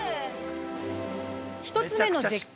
◆１つ目の絶景